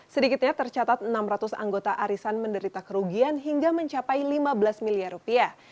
sedikitnya tercatat enam ratus anggota arisan menderita kerugian hingga mencapai lima belas miliar rupiah